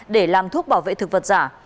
để làm thuốc bảo vệ thực vật giả